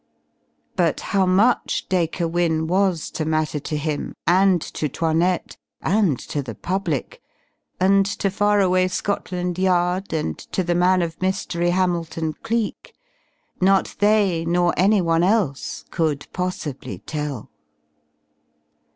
But how much Dacre Wynne was to matter to him, and to 'Toinette, and to the public, and to far away Scotland Yard, and to the man of mystery, Hamilton Cleek, not they nor any one else could possibly tell.